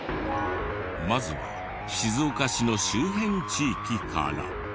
まずは静岡市の周辺地域から。